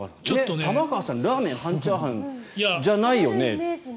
玉川さん、ラーメン半チャーハンじゃないよねと。